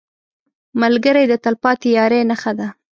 ملګری د تلپاتې یارۍ نښه ده